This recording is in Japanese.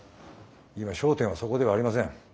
今焦点はそこではありません。